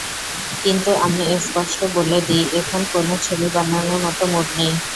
কিন্তু আমি স্পষ্ট বলে দিই, এখন কোনো ছবি বানানোর মতো মুড নেই।